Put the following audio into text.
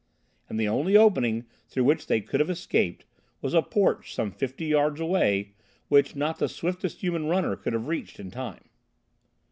And the only opening through which they could have escaped was a porch some fifty yards away, which not the swiftest human runner could have reached in time.